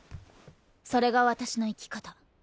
それが私の生き方。